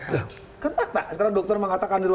sekarang dokter mengatakan